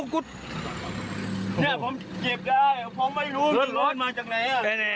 เนี่ยผมเก็บได้ผมไม่รู้ร้อนมาจากไหน